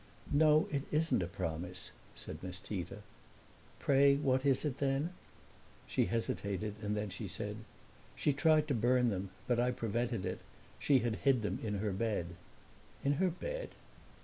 "No, it isn't a promise," said Miss Tita. "Pray what is it then?" She hesitated and then she said, "She tried to burn them, but I prevented it. She had hid them in her bed." "In her bed?"